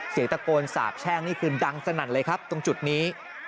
เสียงตะโกนสาบแช่งนี่คือดังสนั่นเลยครับตรงจุดนี้